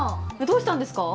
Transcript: どうしたんですか？